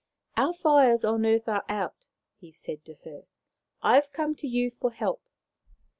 " Our fires on the earth are out," he said to her. " I have come to you for help."